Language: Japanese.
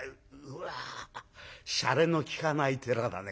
うわしゃれのきかない寺だね